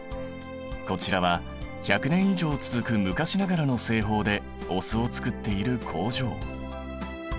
こちらは１００年以上続く昔ながらの製法でお酢をつくっている工場。